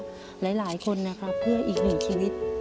หลายคนนะครับเพื่ออีกหนึ่งชีวิต